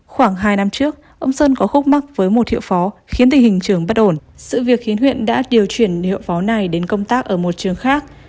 khoảng hai năm trước ông sơn có khúc mắc với một hiệu phó khiến tình hình trường bất ổn sự việc khiến huyện đã điều chuyển hiệu pháo này đến công tác ở một trường khác